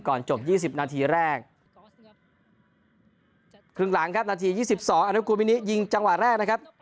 ก่อนจบยี่สิบนาทีแรกครึ่งหลังครับนาทียี่สิบสองอันทุกวินิยิงจังหวะแรกนะครับ